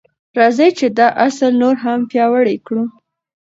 راځئ چې دا اصل نور هم پیاوړی کړو.